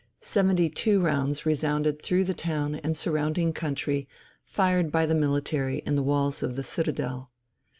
Seventy two rounds resounded through the town and surrounding country, fired by the military in the walls of the "Citadel."